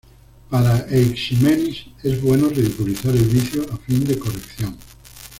Para Eiximenis, es bueno ridiculizar el vicio a fin de corrección.